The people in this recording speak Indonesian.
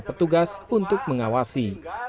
dan petugas untuk mengawasi